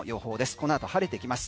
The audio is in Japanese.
このあと晴れてきます。